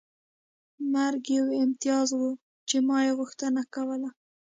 مرګ یو امتیاز و چې ما یې غوښتنه کوله